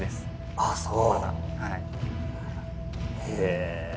ああそう！